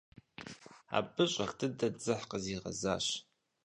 Абы щӀэх дыдэ дзыхь къызигъэзащ.